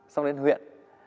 xong đến huyện